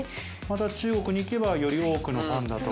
中国に行けばより多くのパンダと。